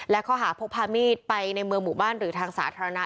และข้อหาพกพามีดไปในเมืองหมู่บ้านหรือทางสาธารณะ